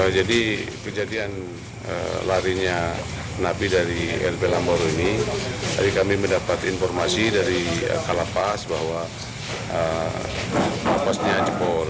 jadi kejadian larinya nabi dari lp lambar ini kami mendapat informasi dari kalapas bahwa kalapasnya jebol